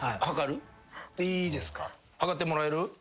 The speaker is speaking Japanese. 計ってもらえる？